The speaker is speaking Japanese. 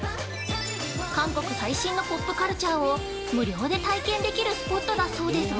韓国最新のポップカルチャーを無料で体験できるスポットだそうですが